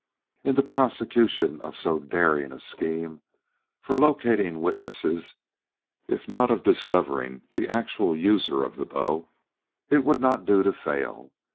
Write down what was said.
In the prosecution of so daring a scheme for locating witnesses if not of discovering the actual user of the bow, it would not do to fail.